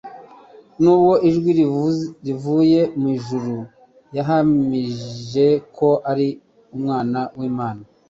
Nubwo ijwi rivuye mu ijuru iyahamije ko ari Umwana w'Imana,